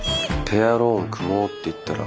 ペアローン組もうって言ったら。